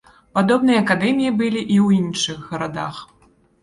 Падобныя акадэміі былі і ў іншых гарадах.